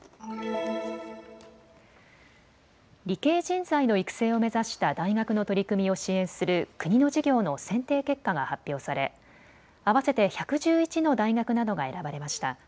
理系人材の育成を目指した大学の取り組みを支援する国の事業の選定結果が発表され合わせて１１１の大学などが選ばれました。